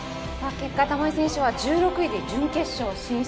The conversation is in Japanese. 結果、玉井選手は１６位で準決勝進出。